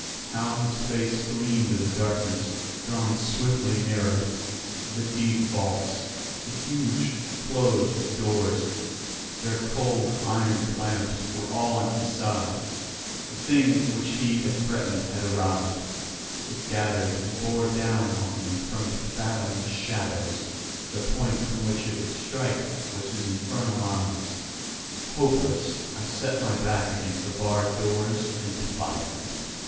How his face gleamed in the darkness, drawing swiftly nearer! The deep vaults, the huge closed doors, their cold iron clamps were all on his side. The thing which he had threatened had arrived: it gathered and bore down on me from the fathomless shadows; the point from which it would strike was his infernal eyes. Hopeless, I set my back against the barred doors and defied him.